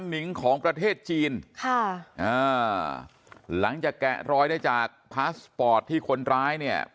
นิงของประเทศจีนค่ะอ่าหลังจากแกะรอยได้จากพาสปอร์ตที่คนร้ายเนี่ย